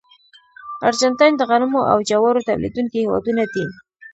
ارجنټاین د غنمو او جوارو تولیدونکي هېوادونه دي.